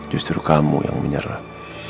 justru kamu yang menyerah